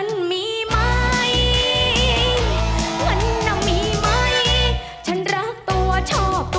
สวัสดีค่ะ